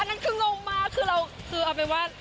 นั่นคืองงมากคือเราคือเอาเป็นว่า